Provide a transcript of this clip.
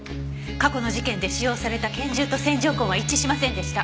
過去の事件で使用された拳銃と線条痕は一致しませんでした。